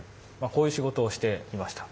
こういう仕事をしていました。